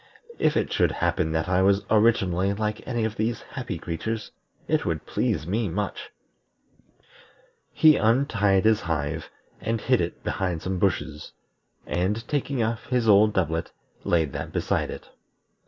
If it should happen that I was originally like any of these happy creatures it would please me much." He untied his hive, and hid it behind some bushes, and taking off his old doublet, laid that beside it.